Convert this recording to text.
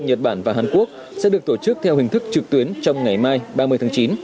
nhật bản và hàn quốc sẽ được tổ chức theo hình thức trực tuyến trong ngày mai ba mươi tháng chín